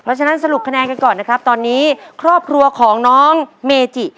เพราะฉะนั้นสรุปคะแนนกันก่อนนะครับตอนนี้ครอบครัวของน้องเมจิ